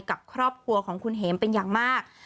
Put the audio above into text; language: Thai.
กับครอบครัวของคุณเห็มเป็นอย่างมาก